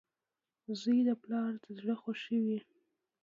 • زوی د پلار د زړۀ خوښي وي.